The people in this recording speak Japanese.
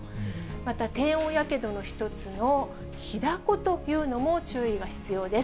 また低温やけどの一つの火だこというのも注意が必要です。